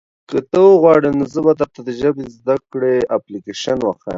که ته وغواړې نو زه به درته د ژبې د زده کړې اپلیکیشن وښیم.